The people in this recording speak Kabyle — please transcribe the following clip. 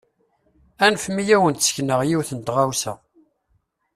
Anfem-iyi ad wen-d-sekneɣ yiwet n tɣawsa.